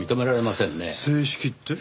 正式って？